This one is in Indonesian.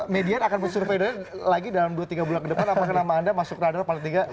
median akan bersurveillance lagi dalam dua tiga bulan ke depan apa ke nama anda masuk radar paling tinggi